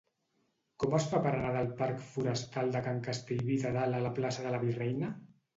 Com es fa per anar del parc Forestal de Can Castellví de Dalt a la plaça de la Virreina?